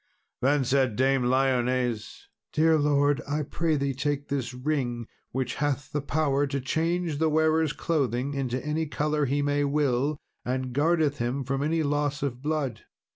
Then said Dame Lyones, "Dear lord, I pray thee take this ring, which hath the power to change the wearer's clothing into any colour he may will, and guardeth him from any loss of blood.